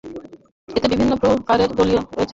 এতে বিভিন্ন প্রকারের দলীল রয়েছে।